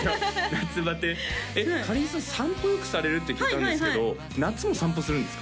夏バテえっかりんさん散歩よくされるって聞いたんですけど夏も散歩するんですか？